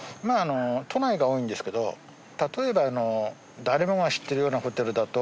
都内が多いんですけど例えば誰もが知ってるようなホテルだと。